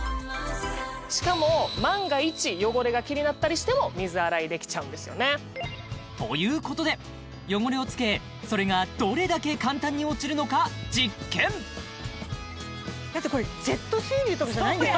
しかも万が一汚れが気になったりしても水洗いできちゃうんですよねということで汚れをつけそれがどれだけ簡単に落ちるのか実験だってこれジェット水流とかじゃないんだよ